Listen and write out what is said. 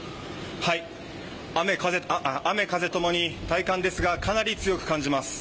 雨風ともに体感ですがかなり強く感じます。